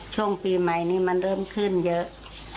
ช่วงปีใหม่นี้มันเริ่มขึ้นเยอะ